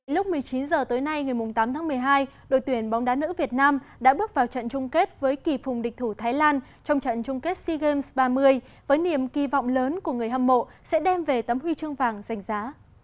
lúc một mươi chín h tối nay ngày tám tháng một mươi hai đội tuyển bóng đá nữ việt nam đã bước vào trận chung kết với kỳ phùng địch thủ thái lan trong trận chung kết sea games ba mươi với niềm kỳ vọng lớn của người hâm mộ sẽ đem về tấm huy chương vàng giành giá